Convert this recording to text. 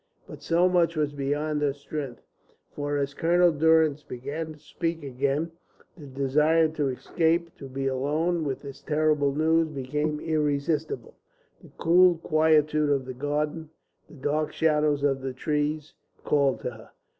But so much was beyond her strength. For as Colonel Durrance began to speak again, the desire to escape, to be alone with this terrible news, became irresistible. The cool quietude of the garden, the dark shadows of the trees, called to her.